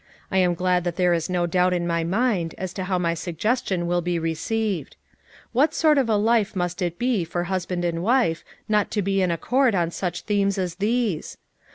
I am glad that there is no FOUR MOTHERS AT CHAUTAUQUA 331 doubt in niv mind as to bow mv suggestion svill be received. What sort of a life must it be for husband and wife not to be in accord on such themes as these?